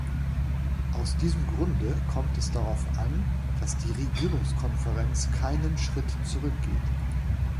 Aus diesem Grunde kommt es darauf an, dass die Regierungskonferenz keinen Schritt zurückgeht.